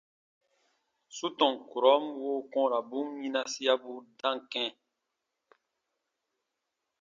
Su tɔn kurɔn woo kɔ̃ɔrabun yinasiabu dam kɛ̃.